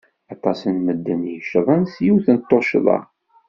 Aṭas n medden i yeccḍen s yiwet n tuccḍa.